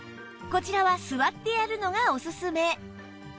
こちらは座ってやるのがオススメ